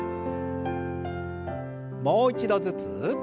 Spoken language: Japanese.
もう一度ずつ。